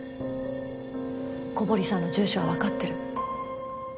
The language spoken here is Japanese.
古堀さんの住所はわかってる。